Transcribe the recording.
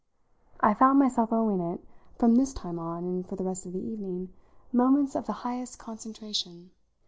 I found myself owing it, from this time on and for the rest of the evening, moments of the highest concentration.